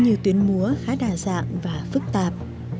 nhiều tuyến múa khá đa dạng và phức tạp